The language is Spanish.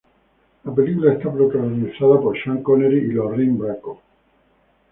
La película está protagonizada por Sean Connery y Lorraine Bracco.